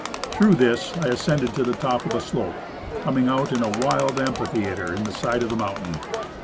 Through this I ascended to the top of the slope, coming out in a wild amphi theatre in the side of the mountain.